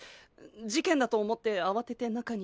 事件だと思って慌てて中に。